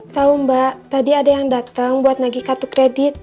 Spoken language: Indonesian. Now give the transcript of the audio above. tahu mbak tadi ada yang datang buat nagih kartu kredit